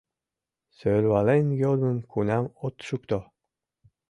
Сӧрвален йодмым кунам от шукто!